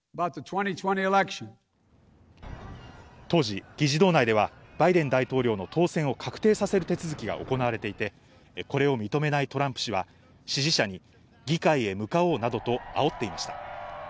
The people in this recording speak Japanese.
当時、議事堂内ではバイデン大統領の当選を確定させる手続きが行われていて、これを認めないトランプ氏は支持者らに議会へ向かおうなどとあおっていました。